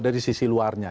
dari sisi luarnya